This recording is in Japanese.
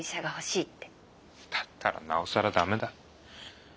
だったらなおさら駄目だ。